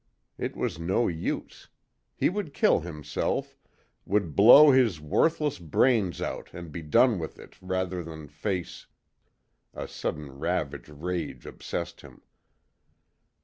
It was no use. He would kill himself would blow his worthless brains out and be done with it, rather than face A sudden savage rage obsessed him.